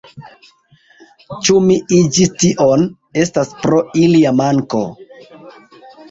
Ĉu mi iĝis tion, estas pro ilia manko.